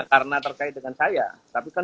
karena terkait dengan saya tapi kan